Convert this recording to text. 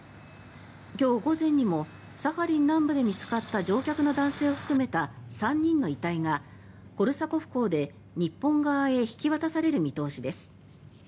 今日午前にもサハリン南部で見つかった乗客の男性を含めた３人の遺体がコルサコフ港で、日本側へ引き渡される見通しです。